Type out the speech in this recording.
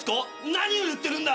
何を言ってるんだ。